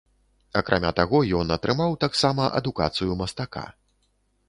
Акрамя таго, ён атрымаў таксама адукацыю мастака.